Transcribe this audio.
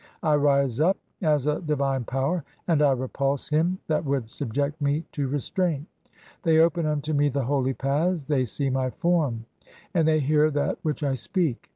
I rise up [as] a divine Power, and [I] repulse "him that would subject me to restraint. They open unto me "the holy paths, they see (37) my form, and they hear that "which I speak.